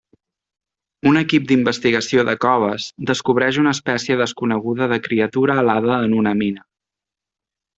Un equip d'investigació de coves descobreix una espècie desconeguda de criatura alada en una mina.